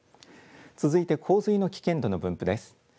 続いて洪水の危険度の分布です。